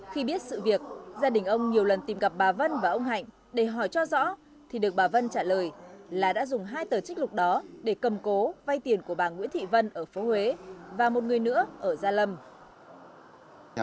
khi biết sự việc gia đình ông nhiều lần tìm gặp bà vân và ông hạnh để hỏi cho rõ thì được bà vân trả lời là đã dùng hai tờ trích lục đó để cầm cố vay tiền của bà nguyễn thị vân ở phố huế và một người nữa ở gia lâm